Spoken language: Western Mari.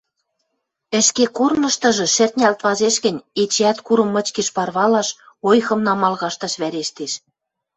Ӹшке корныштыжы шӹртнялт вазеш гӹнь, эчеӓт курым мычкеш парвалаш, ойхым намал кашташ вӓрештеш.